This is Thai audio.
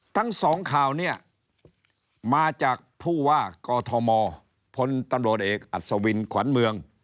ทั้งสองข่าวเนี่ยมาจากผู้ว่ากอทมพลตำรวจเอกอัศวินขวัญเมือง